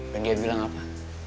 dan dia bilang apa